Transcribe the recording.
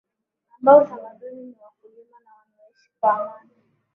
ambao utamaduni ni wakulima na wanaoishi kwa amani